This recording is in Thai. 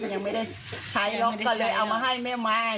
ยังไม่ได้ใช้หรอกก็เลยเอามาให้แม่ไม้